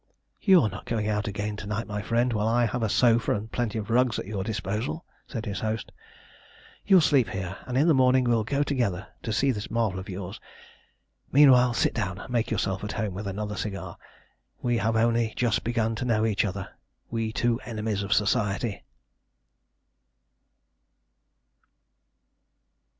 "You are not going out again to night, my friend, while I have a sofa and plenty of rugs at your disposal," said his host. "You will sleep here, and in the morning we will go together and see this marvel of yours. Meanwhile sit down and make yourself at home with another cigar. We have only just begun to know each other we two enemies of Society!"